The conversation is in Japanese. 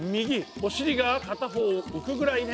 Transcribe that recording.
お尻が片方浮くぐらいね。